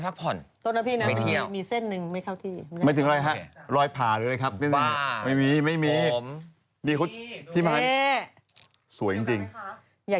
ทั้งสดทั้งใหม่ทั้งให้เยอะ